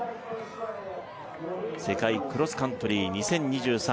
世界クロスカントリー２０２３